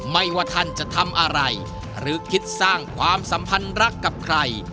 ไม่ว่าท่านจะทำอะไรหรือคิดสร้างความสัมพันธ์รักกับใคร